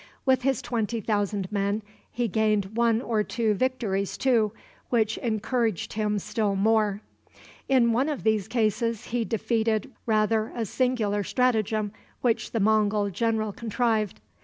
With his twenty thousand men he gained one or two victories too, which encouraged him still more. In one of these cases he defeated rather a singular stratagem which the Mongul general contrived.